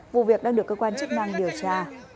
vụ việc đang được cơ quan chức năng điều tra